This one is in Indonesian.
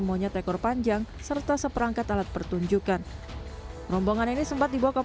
monyet ekor panjang serta seperangkat alat pertunjukan rombongan ini sempat dibawa ke